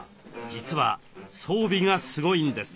実は装備がすごいんです。